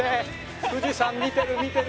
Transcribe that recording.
富士山見てる見てる。